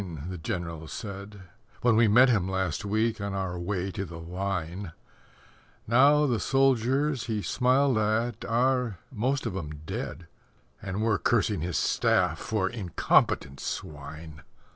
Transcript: the General said When we met him last week on our way to the Line, Now the soldiers he smiled at are most of 'em dead, And we're cursing his staff for incompetent swine.